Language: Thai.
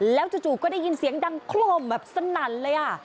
แล้วจู่ก็ได้ยินเสียงดังโครมแบบสนั่นเลย